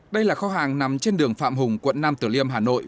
đây là kho hàng nằm trên đường phạm hùng quận năm tử liêm hà nội